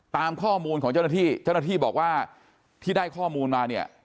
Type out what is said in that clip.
ตามข้อมูลของเจ้าหน้าที่เจ้าหน้าที่บอกว่าที่ได้ข้อมูลมาเนี่ย